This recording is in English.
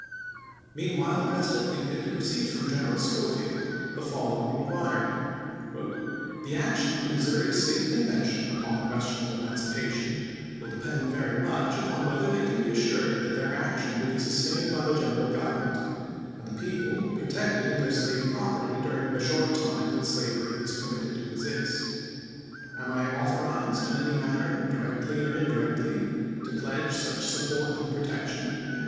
Meanwhile President Lincoln had received from General Schofield the following inquiry: "The action of the Missouri State Convention upon the 208 ABEAHAM LINCOLN Chap. VIII. question of emancipation will depend very much upon whether they can be assured that their action will be sustained bj^ the General Government, and the people protected in their slave property during schofieid ^^® short time that slavery is permitted to exist. ^""jn^^o!"' ^™ I authorized in any manner, directly or in voL xxiF; directly, to pledge such support and protection